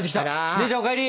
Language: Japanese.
姉ちゃんお帰り！